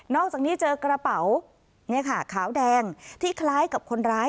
อกจากนี้เจอกระเป๋านี่ค่ะขาวแดงที่คล้ายกับคนร้าย